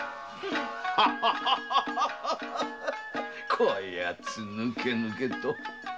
こやつぬけぬけと。